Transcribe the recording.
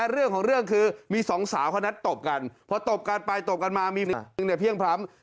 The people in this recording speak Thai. เรื่องของเรื่องคือมีสองสาวค่อน